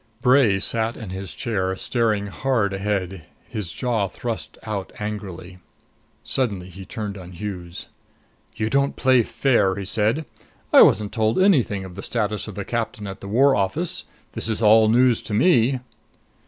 Bray sat in his chair, staring hard ahead, his jaw thrust out angrily. Suddenly he turned on Hughes. "You don't play fair," he said. "I wasn't told anything of the status of the captain at the War Office. This is all news to me."